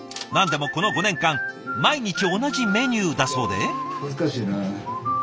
何でもこの５年間毎日同じメニューだそうで。